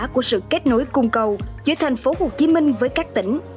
của sự kết nối cung cầu giữa thành phố hồ chí minh với các tỉnh